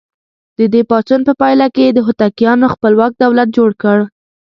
د دې پاڅون په پایله کې یې د هوتکیانو خپلواک دولت جوړ کړ.